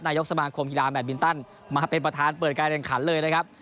นายกสมาคมกีฬาแบตมินตันมาเป็นประธานเปิดการแข่งขันเลยนะครับ